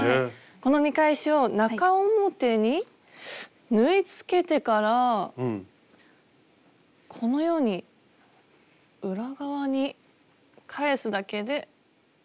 この見返しを中表に縫いつけてからこのように裏側に返すだけで。